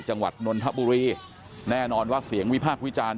นนทบุรีแน่นอนว่าเสียงวิพากษ์วิจารณ์